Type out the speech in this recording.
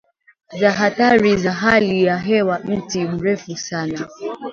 za Athari za Hali ya Hewa Mti Mrefu Sana